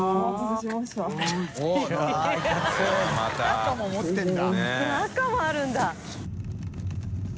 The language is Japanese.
赤もあるんだ。